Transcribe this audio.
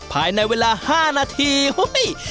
ภายในเวลา๕นาที